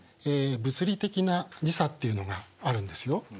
物理的な時差っていうのがあるんですよ。